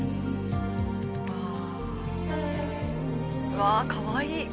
うわかわいい！